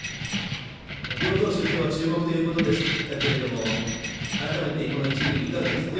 両投手、今日は注目ということでしたけども改めて、この１イニングいかがですか。